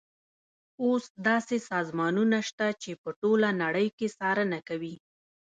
اوس داسې سازمانونه شته چې په ټوله نړۍ کې څارنه کوي.